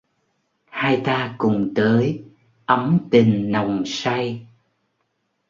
Hai ta cùng tới ấm tình nồng say!